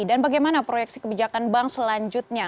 dan bagaimana proyeksi kebijakan bank selanjutnya